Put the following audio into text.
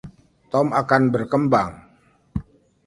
Tom akan berkembang.